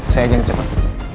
saya jalan cek pak